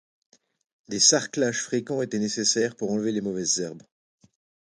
Des sarclages fréquents étaient nécessaires pour enlever les mauvaises herbes.